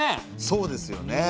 そうですよね。